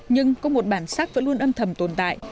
nhưng có một bản sắc vẫn luôn âm thầm tồn tại